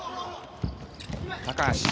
高橋。